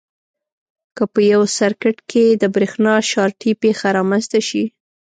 که په یو سرکټ کې د برېښنا شارټي پېښه رامنځته شي.